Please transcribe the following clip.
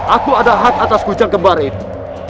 aku ada hak atas kucing kembar itu